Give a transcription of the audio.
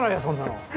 そんなの。